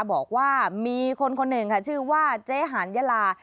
บอกว่ามีคนคนหนึ่งค่ะชื่อว่าเจ๊หาญยาลา